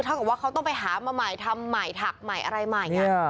เท่ากับว่าเขาต้องไปหามาหมายทำหมายถักหมายอะไรมาอย่างนี้